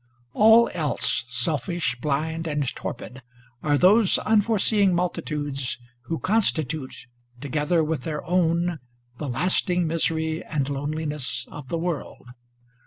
All else, selfish, blind and torpid, are those unforeseeing multitudes who con stitute, together with their own, the lasting misery and loneliness of the world.